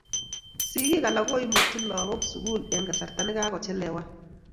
sikiik alak koimutuk lagok sukul eng kasarta ne kakochelewan.